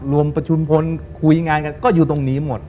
ประชุมพลคุยงานกันก็อยู่ตรงนี้หมด